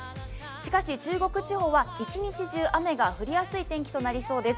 しかし中国地方は一日中、雨が降りやすい天気となりそうです。